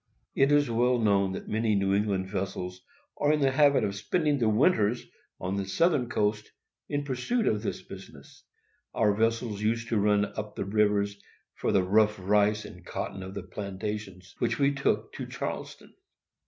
It is well known that many New England vessels are in the habit of spending their winters on the southern coast in pursuit of this business. Our vessels used to run up the rivers for the rough rice and cotton of the plantations, which we took to Charleston.